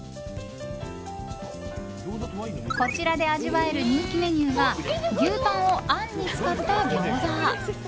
こちらで味わえる人気メニューが牛タンをあんに使った餃子。